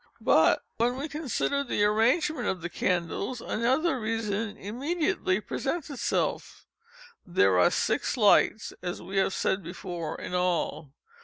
But when we consider the arrangement of the candles, another reason immediately presents itself. There are six lights (as we have said before) in all.